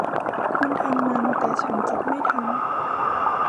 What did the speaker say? คุณทำมัน แต่ฉันจะไม่ทำ